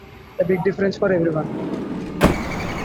A big difference for everyone.